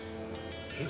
えっ？